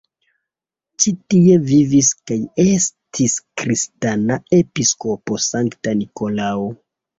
Ĉi-tie vivis kaj estis kristana episkopo Sankta Nikolao.